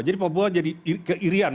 jadi papua jadi ke irian